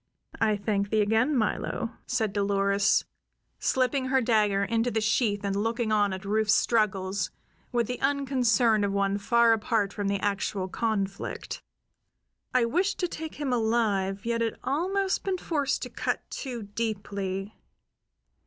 "I thank thee again, Milo," said Dolores, slipping her dagger into the sheath and looking on at Rufe's struggles with the unconcern of one far apart from the actual conflict. "I wished to take him alive; yet had almost been forced to cut too deeply.